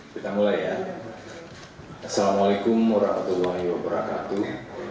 kita mulai ya assalamualaikum warahmatullahi wabarakatuh